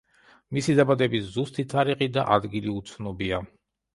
მისი დაბადების ზუსტი თარიღი და ადგილი უცნობია.